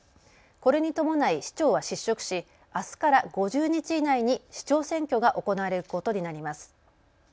これに伴い市長は失職しあすから５０日以内に市長選挙が行われることになります。